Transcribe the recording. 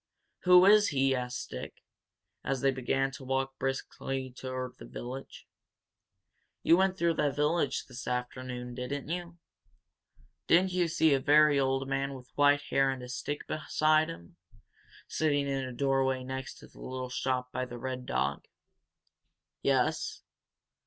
"Who is he?" asked Dick, as they began to walk briskly toward the village. "You went through the village this afternoon, didn't you? Didn't you see a very old man with white hair and a stick beside him, sitting in a doorway next to the little shop by the Red Dog?" "Yes."